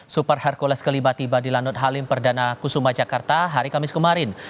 super hercules kelima tiba di lanut halim perdana kusuma jakarta hari kamis kemarin